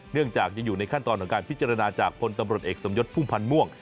เนื่องจากยังอยู่ในขั้นตอนของการพิจารณาจากพลตำรวจเอกสมยศพุ่มพันธ์ม่วง